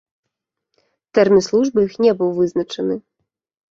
Тэрмін службы іх не быў вызначаны.